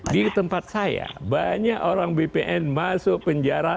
di tempat saya banyak orang bpn masuk penjara